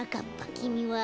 きみは？